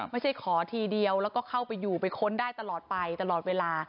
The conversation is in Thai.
ไม่ใช่ขอทีเดียวแล้วก็เข้าไปอยู่ไปค้นได้ตลอดไปตลอดเวลา